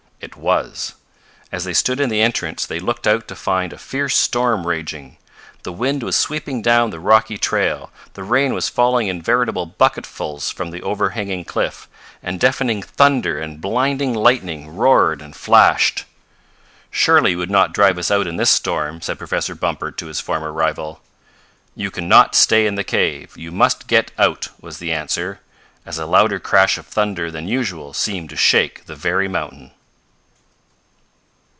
It was. As they stood in the entrance they looked out to find a fierce storm raging. The wind was sweeping down the rocky trail, the rain was falling in veritable bucketfuls from the overhanging cliff, and deafening thunder and blinding lightning roared and flashed. "Surely you would not drive us out in this storm," said Professor Bumper to his former rival. "You can not stay in the cave! You must get out!" was the answer, as a louder crash of thunder than usual seemed to shake the very mountain.